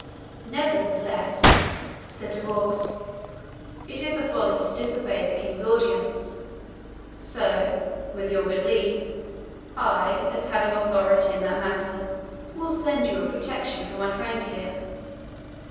"Nevertheless," said De Vaux, "it is a folly to disobey the King's ordinance; so, with your good leave, I, as having authority in that matter, will send you a protection for my friend here."